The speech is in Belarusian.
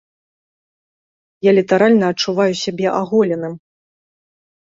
Я літаральна адчуваю сябе аголеным!